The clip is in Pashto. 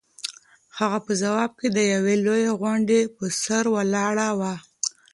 هغه په خوب کې د یوې لویې غونډۍ په سر ولاړه وه.